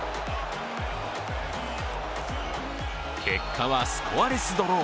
結果はスコアレスドロー。